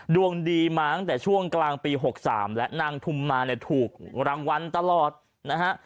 ดวงดีมาตั้งแต่ช่วงกลางปี๖๓และนางทุมมาเนี่ยถูกรางวัลตลอดนะฮะ